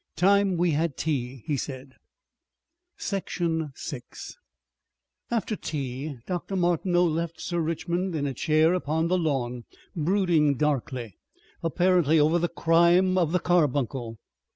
"Time we had tea," he said. Section 6 After tea Dr. Martineau left Sir Richmond in a chair upon the lawn, brooding darkly apparently over the crime of the carbuncle.